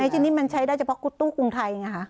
ชิ้นนี้มันใช้ได้เฉพาะกุตตู้กรุงไทยไงคะ